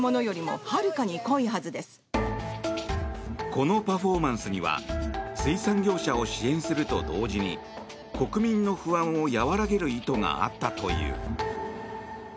このパフォーマンスには水産業者を支援するとともに国民の不安を和らげる意図があったという。